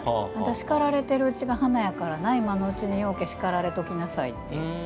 叱られているうちが華だから今のうちにようけ叱られときなさいって。